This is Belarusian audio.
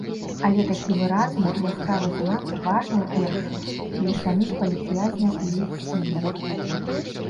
Але такі выразны, яскравы знак важны у першую для саміх палітвязняў і іх сем'яў.